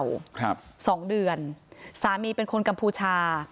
ไปทำงานที่จังหวัดฉะเชิงเศร้า๒เดือนสามีเป็นคนกัมพูชา